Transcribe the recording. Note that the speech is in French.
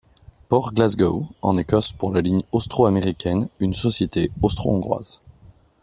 Port Glasgow, en Écosse pour la ligne austro-américaine, une société austro-hongroise.